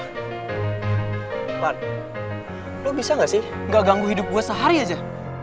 an lu bisa gak sih gak ganggu hidup gue sehari aja